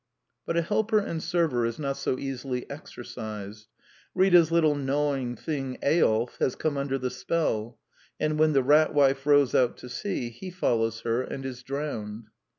But a helper and server is not so easily exorcized. Rita's little gnawing thing, Eyolf, has come under the spell; and when the Rat Wife rows out to sea, he follows her and is drowned.